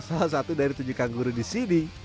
salah satu dari tujuh kangguru di sini